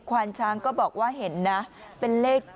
วานช้างก็บอกว่าเห็นนะเป็นเลข๗